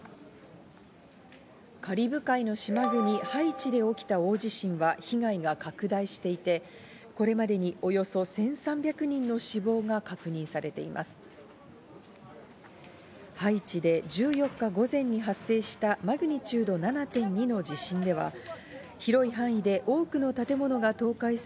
カリブ海の島国、ハイチで起きた大地震は被害が拡大していて、これまでにおよそ１３００人の死亡が確認されています。